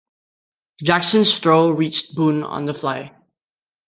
Jackson's throw reached Boone on the fly.